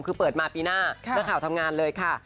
คือเปิดมาปีหน้านักข่าวทำงานเลยค่ะ